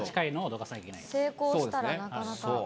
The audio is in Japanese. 成功したらなかなか。